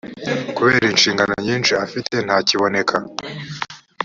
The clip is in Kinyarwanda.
kubera inshingano nyinshi afite ntakiboneka